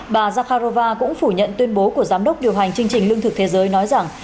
bà zakharova cũng phủ nhận tuyên bố của giám đốc điều hành chương trình lương thực thế giới nói rằng